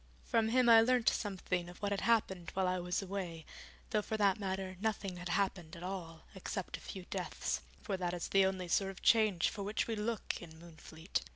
From him I learnt something of what had happened while I was away, though for that matter nothing had happened at all, except a few deaths, for that is the only sort of change for which we look in Moonfleet.